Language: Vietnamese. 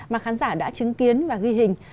mà khán giả đã chứng kiến và ghi hình